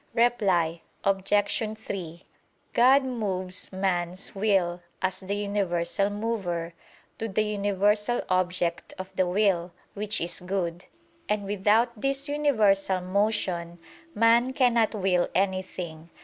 Reply Obj. 3: God moves man's will, as the Universal Mover, to the universal object of the will, which is good. And without this universal motion, man cannot will anything.